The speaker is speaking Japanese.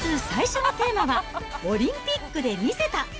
最初のテーマは、オリンピックで見せた。